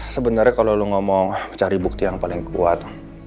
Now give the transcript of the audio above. sebenernya kalo lo ngomong cari bukti yang paling kuat